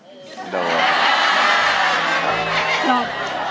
มันโดน